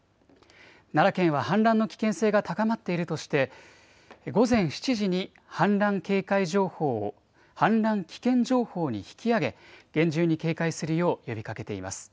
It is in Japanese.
奈良県は氾濫の危険性が高まっているとして、午前７時に氾濫警戒情報を氾濫危険情報に引き上げ、厳重に警戒するよう呼びかけています。